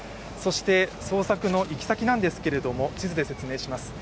捜索の行き先なんですけれども、地図で説明します。